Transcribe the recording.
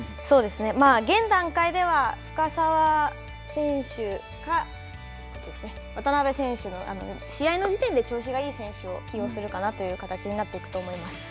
まあ、現段階では、深沢選手か、渡部選手の、試合の時点で調子がいい選手を起用するかなといった形になっていくと思います。